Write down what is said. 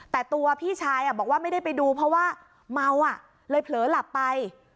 แต่ตัวพี่ชายบอกว่าไม่ได้ไปดูเพราะว่าเมาอ่ะเลยเผลอหลับไป